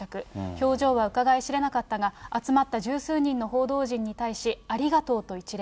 表情はうかがい知れなかったが、集まった十数人の報道陣に対し、ありがとうと一礼。